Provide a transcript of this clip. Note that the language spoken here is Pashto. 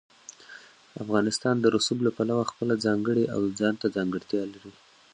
افغانستان د رسوب له پلوه خپله ځانګړې او ځانته ځانګړتیا لري.